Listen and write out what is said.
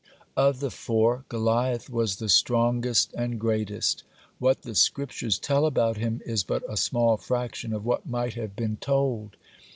(31) Of the four, Goliath was the strongest and greatest. What the Scriptures tell about him is but a small fraction of what might have been told.